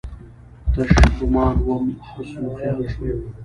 تش ګومان وم، حسن وخیال شوم